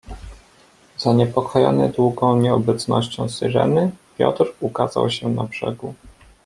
"Zaniepokojony długą nieobecnością Syreny, Piotr ukazał się na brzegu."